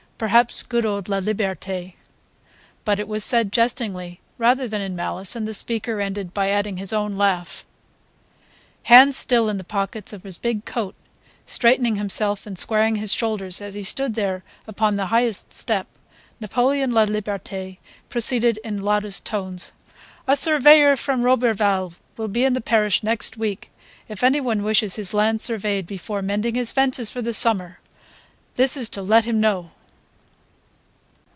Perhaps good old Laliberte ..." But it was said jestingly rather than in malice, and the speaker ended by adding his own laugh. Hands still in the pockets of his big coat, straightening himself and squaring his shoulders as he stood there upon the highest step, Napoleon Laliberte proceeded in loudest tones: "A surveyor from Roberval will be in the parish next week. If anyone wishes his land surveyed before mending his fences for the summer, this is to let him know."